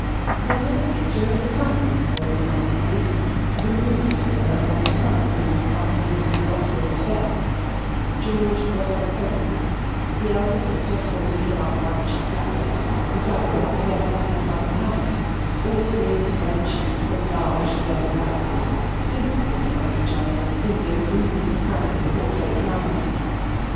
There was a picture of the family over the mantelpiece, removed thither from the front room after Mrs. Osborne's death George was on a pony, the elder sister holding him up a bunch of flowers; the younger led by her mother's hand; all with red cheeks and large red mouths, simpering on each other in the approved family portrait manner.